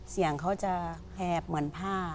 เสียงเขาจะแหบเหมือนผ้า